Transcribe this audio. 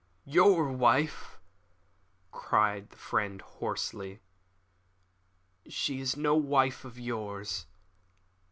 "Your wife," cried his friend hoarsely. "She is no wife of yours.